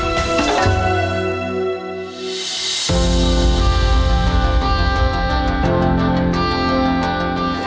เมื่อมาถึงอำเภออุ้มผังจังหวัดตาครับ